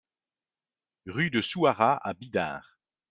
Rue de Souhara à Bidart